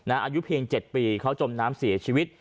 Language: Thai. อายุเพียง๗ปีเขาจมน้ำเสียชีวิต